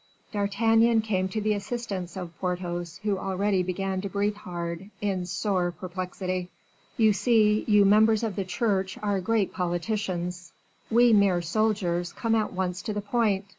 D'Artagnan came to the assistance of Porthos, who already began to breathe hard, in sore perplexity. "You see, you members of the Church are great politicians; we mere soldiers come at once to the point.